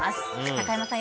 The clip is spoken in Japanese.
中山さん